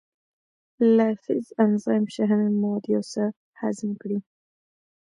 لایپیز انزایم شحمي مواد یو څه هضم کړي.